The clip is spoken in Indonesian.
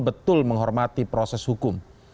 betul menghormati proses hukum